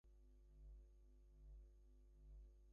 Rabe studied dance for ten years.